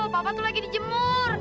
papa tuh lagi dijemur